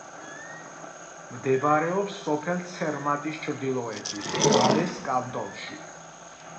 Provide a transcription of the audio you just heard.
მდებარეობს სოფელ ცერმატის ჩრდილოეთით, ვალეს კანტონში.